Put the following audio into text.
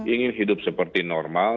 ingin hidup seperti normal